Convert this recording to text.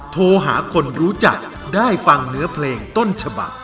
โทรหาคนรู้จักได้ฟังเนื้อเพลงต้นฉบัก